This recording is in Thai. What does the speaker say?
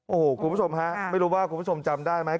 โอ้โหคุณผู้ชมฮะไม่รู้ว่าคุณผู้ชมจำได้ไหม